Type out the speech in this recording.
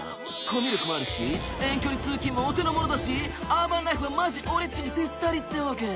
コミュ力もあるし遠距離通勤もお手の物だしアーバンライフはマジオレっちにピッタリってわけ。